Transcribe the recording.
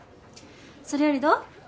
それよりどう？